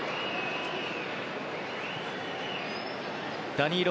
ダニーロ